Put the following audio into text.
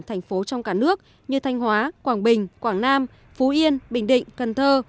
thành phố trong cả nước như thanh hóa quảng bình quảng nam phú yên bình định cần thơ